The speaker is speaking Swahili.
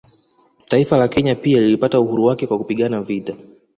Taifa la Kenya pia lilipata uhuru wake kwa kupigana vita